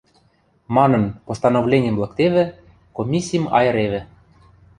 — манын, постановленим лыктевӹ, комиссим айыревӹ.